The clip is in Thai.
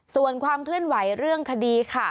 ส่วนความเคลื่อนไหวเรื่องคดีค่ะ